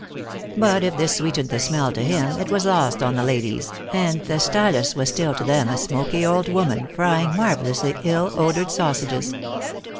But, if this sweetened the smell to him, it was lost on the ladies, and Thestylis was still to them a smoky old woman, frying, marvelously, ill odored sausages.